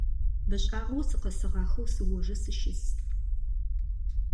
Бэ шӏагъэу сыкъэсыгъахэу сыожэ сыщыс.